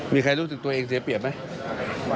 มีใครรู้สึกตัวเองเสียเปรียบไหม